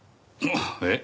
えっ？